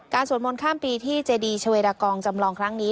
สวดมนต์ข้ามปีที่เจดีชาเวดากองจำลองครั้งนี้